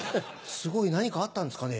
何かあったんですかね？